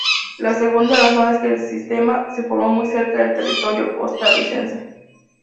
La segunda razón es que el sistema se formó muy cerca del territorio costarricense.